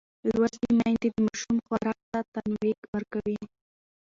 لوستې میندې د ماشوم خوراک ته تنوع ورکوي.